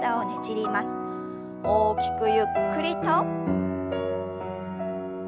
大きくゆっくりと。